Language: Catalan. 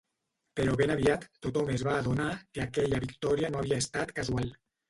Però ben aviat tothom es va adonar que aquella victòria no havia estat casual.